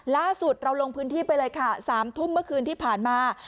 ล่าสุดเราลงพื้นที่ไปเลยค่ะ๓ทุ่มเมื่อคืนที่ผ่านมา